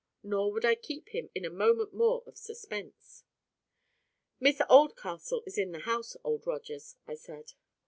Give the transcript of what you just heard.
Nor would I keep him in a moment more of suspense. "Miss Oldcastle is in the house, Old Rogers," I said.